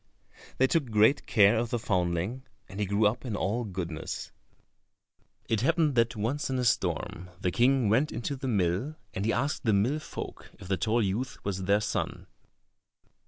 They took great care of the foundling, and he grew up in all goodness. It happened that once in a storm, the King went into the mill, and he asked the mill folk if the tall youth was their son.